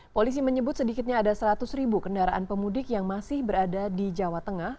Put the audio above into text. polisi menyebut sedikitnya ada seratus ribu kendaraan pemudik yang masih berada di jawa tengah